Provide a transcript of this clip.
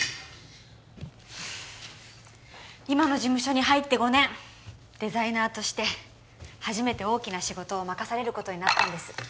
今の事務所に入って５年デザイナーとして初めて大きな仕事を任されることになったんです